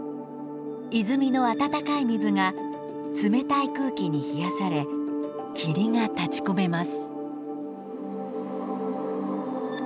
泉のあたたかい水が冷たい空気に冷やされ霧が立ちこめます。